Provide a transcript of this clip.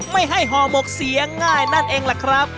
ไม่ให้ห่อหมกเสียงง่ายนั่นเองล่ะครับ